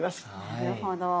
なるほど。